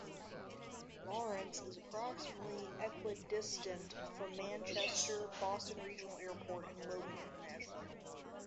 Lawrence is approximately equidistant from Manchester-Boston Regional Airport and Logan International Airport.